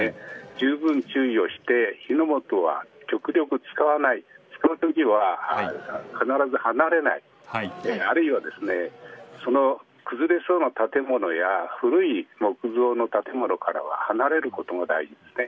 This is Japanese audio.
じゅうぶん注意をして火の元は極力使わない使うときは必ず離れないあるいは、その崩れそうな建物や古い木造の建物からは離れることも大事ですね。